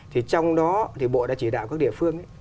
trong đó bộ đã chỉ đạo các địa phương